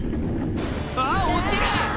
「あぁ落ちる！」